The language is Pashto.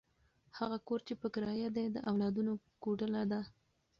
هغه کور چې په کرایه دی، د اولادونو کوډله ده.